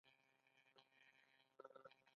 زما نوم احمد دې او ننګرهار ولایت څخه یم